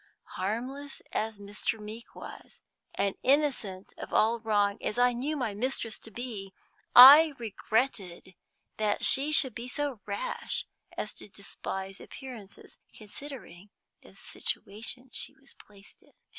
Harmless as Mr. Meeke was, and innocent of all wrong as I knew my mistress to be, I regretted that she should be so rash as to despise appearances, considering the situation she was placed in.